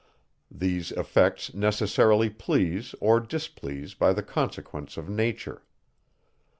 These effects necessarily please, or displease, by a consequence of nature.